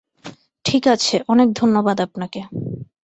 ঠিক আছে, অনেক ধন্যবাদ আপনাকে।